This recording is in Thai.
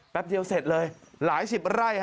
แป๊บเดียวเสร็จเลยหลายสิบไร่ฮะ